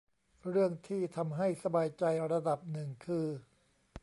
เรื่องที่ทำให้สบายใจระดับหนึ่งคือ